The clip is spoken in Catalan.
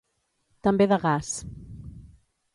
També de gas.